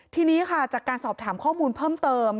ทีนี้ค่ะจากการสอบถามข้อมูลเพิ่มเติม